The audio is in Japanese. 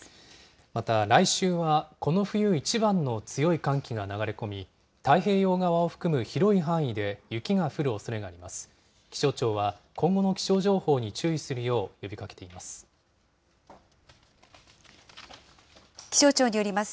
また、来週はこの冬一番の強い寒気が流れ込み、太平洋側を含む広い範囲で雪が降るおそれがあります。